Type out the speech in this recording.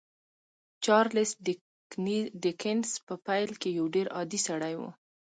چارلیس ډیکنز په پیل کې یو ډېر عادي سړی و